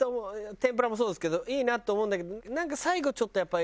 天ぷらもそうですけどいいなって思うんだけどなんか最後ちょっとやっぱり。